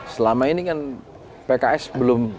selama ini kan pks belum